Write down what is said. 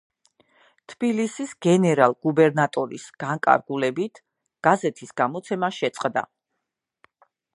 თბილისის გენერალ-გუბერნატორის განკარგულებით გაზეთის გამოცემა შეწყდა.